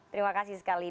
terima kasih sekali